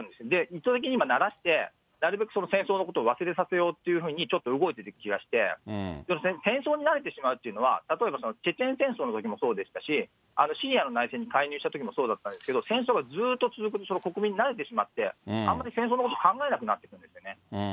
意図的に今慣らして、なるべく戦争のことを忘れさせようというふうに、ちょっと動いてる気がして、戦争に慣れてしまうというのは、例えばチェチェン戦争のときもそうでしたし、シリアの内戦に介入したときもそうだったんですけど、戦争がずっと続くと国民に慣れてしまって、あんまり戦争のことを考えなくなってくるんですよね。